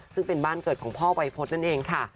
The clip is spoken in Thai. ซึ่งเป็นบ้านเกิดของพ่อวัยพฤษนั่นเองค่ะ